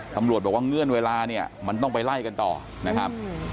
ตำรวจบอกว่าเงื่อนเวลาเนี่ยมันต้องไปไล่กันต่อนะครับ